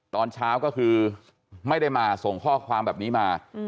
ตอนเช้าก็คือไม่ได้มาส่งข้อความแบบนี้มา